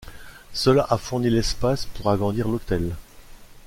Cela a fourni l'espace pour agrandir l'hôtel.